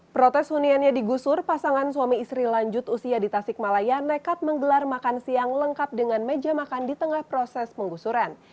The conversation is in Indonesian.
protes huniannya digusur pasangan suami istri lanjut usia di tasikmalaya nekat menggelar makan siang lengkap dengan meja makan di tengah proses penggusuran